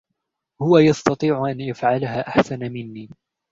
هو يستطيع أن يفعلها أحسن مني.